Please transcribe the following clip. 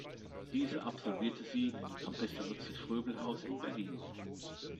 Diese absolvierte sie am Pestalozzi-Fröbel-Haus in Berlin.